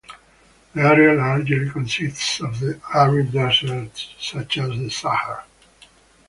The area largely consists of arid deserts, such as the Sahara.